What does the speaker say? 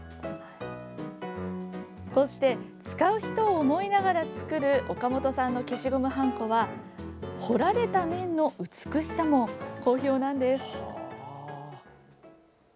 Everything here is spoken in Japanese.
こうして使う人を思いながら作る岡本さんの消しゴムはんこは彫られた面の美しさも好評なんです。